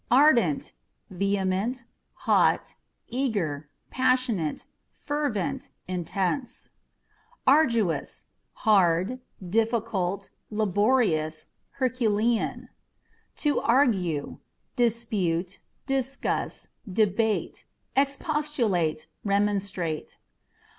Ardent â€" vehement, hot, eager, passionate, fervent, intense. Arduous â€" hard, difficult, laborious, herculean. To Argue â€" dispute, discuss, debate ; expostulate, remonstrate.